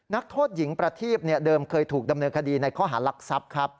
นักโทษหญิงประทีบเดิมเคยถูกดำเนินคดีในข้อหารักทรัพย์ครับ